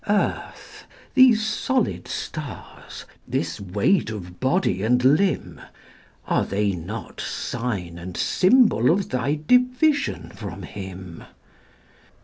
Earth, these solid stars, this weight of body and limb, Are they not sign and symbol of thy division from Him?